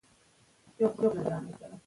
که ښځه خلع غواړي، خاوند باید ومني.